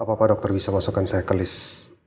apa pak dokter bisa masukkan saya ke list